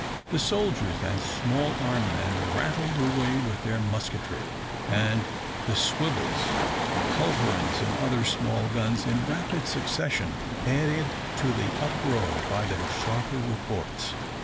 The soldiers and small arm men rattled away with their musketry, and the swivels, culverins, and other small guns, in rapid succession added to the uproar by their sharper reports.